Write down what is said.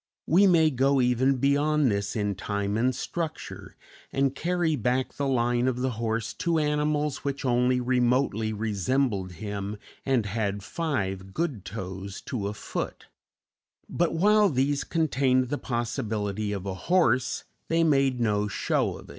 We may go even beyond this in time and structure, and carry back the line of the horse to animals which only remotely resembled him and had five good toes to a foot; but while these contained the possibility of a horse, they made no show of it.